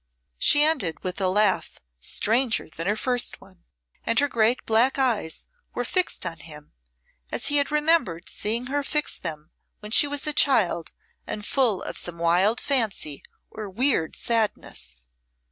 She ended with a laugh stranger than her first one, and her great black eyes were fixed on him as he had remembered seeing her fix them when she was a child and full of some wild fancy or weird sadness.